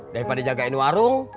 daripada jagain warung